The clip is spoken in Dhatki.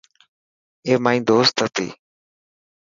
اي مائي دوست هتي.